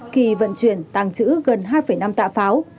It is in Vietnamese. khi vận chuyển tàng trữ gần hai năm tạ pháo